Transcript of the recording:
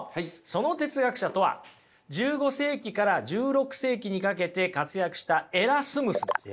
その哲学者とは１５世紀から１６世紀にかけて活躍したエラスムスです。